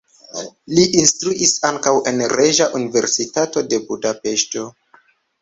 Li instruis ankaŭ en Reĝa Universitato de Budapeŝto.